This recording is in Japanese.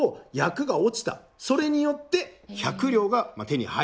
それによって百両が手に入ると。